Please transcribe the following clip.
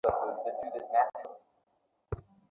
হায় রে, বিশ্বাসঘাতকের নষ্ট বিশ্বাসের মতোই সব শূন্য।